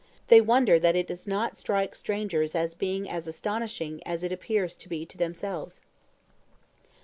They wonder that it does not strike strangers as being as astonishing as it appears to be to themselves.